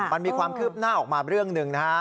มันมีความคืบหน้าออกมาเรื่องหนึ่งนะฮะ